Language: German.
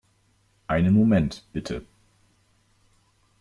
Einen Moment, bitte.